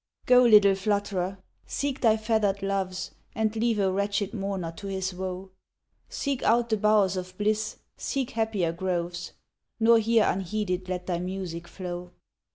Go, little flutt'rer! seek thy feather'd loves, And leave a wretched mourner to his woe; Seek out the bow'rs of bliss, seek happier groves, Nor here unheeded let thy music flow.